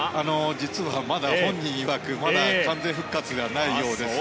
実は、まだ本人いわく完全復活ではないようです。